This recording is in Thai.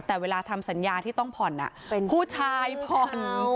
แต่เวลาทำสัญญาที่ต้องผ่อนเป็นผู้ชายผ่อน